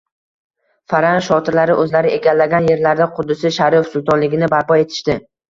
Farang shotirlari o‘zlari egallagan yerlarda Quddusi Sharif sultonligini barpo etishdi